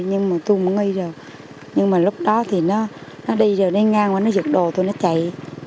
nhưng mà tôi cũng nghi rồi nhưng mà lúc đó thì nó đi rồi nó ngang qua nó giật đồ tôi nó chạy